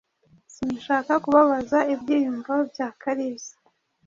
Sinshaka kubabaza ibyiyumvo bya Kalisa.